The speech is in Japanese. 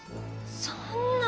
そんな。